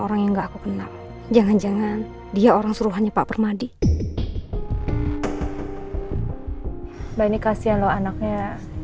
orang yang gak aku kenal jangan jangan dia orang suruhannya pak permadi mbak ini kasihan lo anaknya